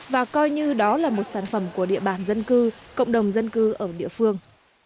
và coi như đó là một sản phẩm của địa bàn dân cư cộng đồng dân cư ở địa phương